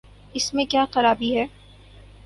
اس میں کیا خرابی ہے؟